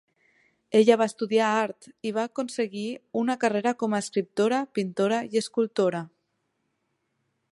Ella va estudiar art i va aconseguir una carrera com a escriptora, pintora i escultora.